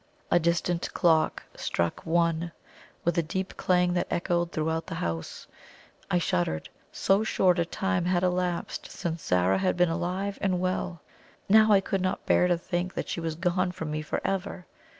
A distant clock struck ONE! with a deep clang that echoed throughout the house. I shuddered. So short a time had elapsed since Zara had been alive and well; now, I could not bear to think that she was gone from me for ever.